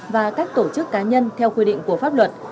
và các tổ chức cá nhân theo quy định của pháp luật